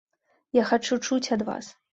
Я хачу чуць ад вас.